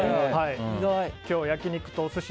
今日は焼き肉とお寿司